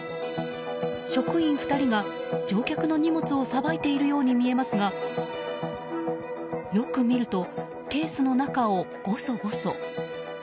職員２人が、乗客の荷物をさばいているように見えますがよく見るとケースの中をごそごそ。